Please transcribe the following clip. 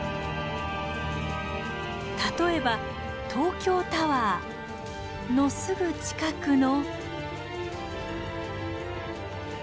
例えば東京タワーのすぐ近くの。